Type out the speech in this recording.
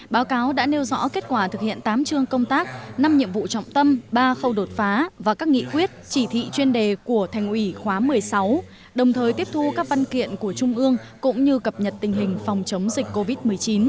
báo cáo đã nêu rõ kết quả thực hiện tám chương công tác năm nhiệm vụ trọng tâm ba khâu đột phá và các nghị quyết chỉ thị chuyên đề của thành ủy khóa một mươi sáu đồng thời tiếp thu các văn kiện của trung ương cũng như cập nhật tình hình phòng chống dịch covid một mươi chín